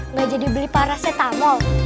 nggak jadi beli paracetamol